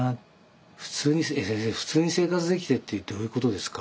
「先生普通に生活できてってどういうことですか？」